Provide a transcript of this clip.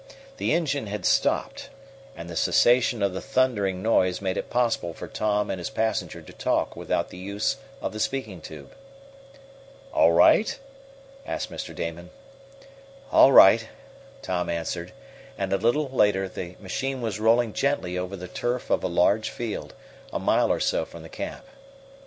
The engine had stopped, and the cessation of the thundering noise made it possible for Tom and his passenger to talk without the use of the speaking tube. "All right?" asked Mr. Damon. "All right," Tom answered, and a little later the machine was rolling gently over the turf of a large field, a mile or so from the camp.